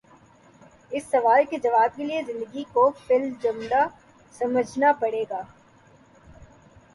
اس سوال کے جواب کے لیے زندگی کو فی الجملہ سمجھنا پڑے گا۔